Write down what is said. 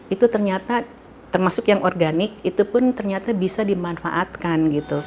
itu ternyata termasuk yang organik itu pun ternyata bisa dimanfaatkan